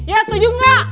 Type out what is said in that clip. ya setuju nggak